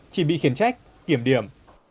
chỉ bị khiển trách kiểm điểm